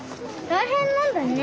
大変なんだね。